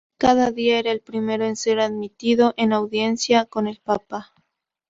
Cada día era el primero en ser admitido en audiencia con el papa.